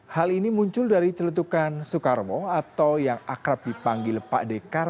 hal ini muncul dari celentukan soekarwo atau yang akrab dipanggil pak dekarwo